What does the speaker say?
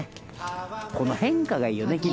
この変化がいいよね木の。